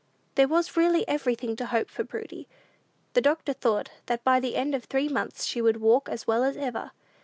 There was really everything to hope for Prudy. The doctor thought that by the end of three months she would walk as well as ever.